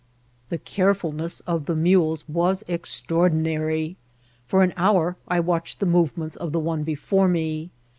The carefulness of the mules was extraordinary. For an hour I watched the movements of the one before me.